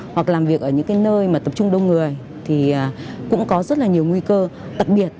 hoặc làm việc ở những nơi tập trung đông người thì cũng có rất là nhiều nguy cơ tật biệt